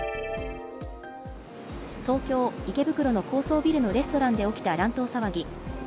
東京・池袋の高層ビルのレストランで起きた乱闘騒ぎ。